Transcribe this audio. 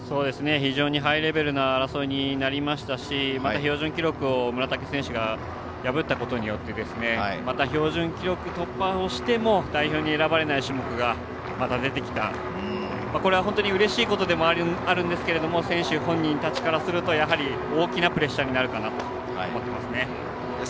非常にハイレベルな戦いになりましたし村竹選手が標準記録をまた破ったことによって標準記録突破をしても代表に選ばれない種目が出てきたこれは非常にうれしいことではあるんですけれども選手本人にとっては大きなプレッシャーになるかなと思います。